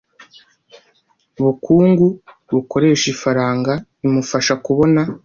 bukungu bukoresha ifaranga imufasha kubona